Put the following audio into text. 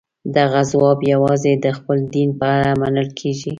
دغه ځواب یوازې د خپل دین په اړه منل کېږي.